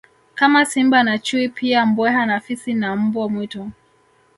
Kama simba na chui pia mbweha na fisi na mbwa mwitu